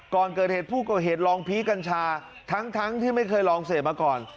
ก่อนเกิดเหตุผู้ก่อเหตุลองพีคกัญชาทั้งที่ไม่เคยลองเสพมาก่อน